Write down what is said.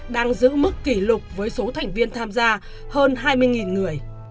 đang giữ mức kỷ lục với số thành viên tham gia hơn hai mươi người